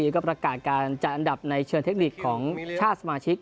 ก็ประกาศการจัดอันดับในเชิญเทคนิคของชาติสมาชิก